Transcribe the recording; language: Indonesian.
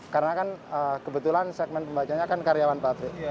karena kan kebetulan segmen pembacanya kan karyawan pabrik